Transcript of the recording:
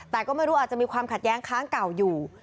แต่ก็ไม่รู้อาจจะมีความขัดแย้งค้างเก่าอยู่